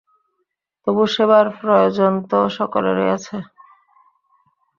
তবু সেবার প্রয়োজন তো সকলেরই আছে।